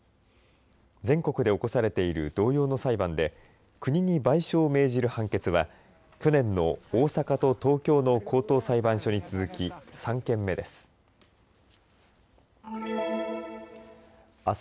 全国で起こされている同様の裁判で国に賠償を命じる判決は去年の大阪と東京の高等裁判所に続き３件目です。